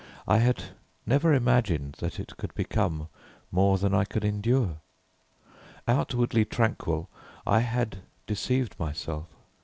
I had never imagined that it could become more than I could endure. Outwardly tranquil, I had deceived myself.